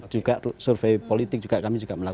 juga survei politik juga kami juga melakukan